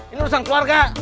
ini urusan keluarga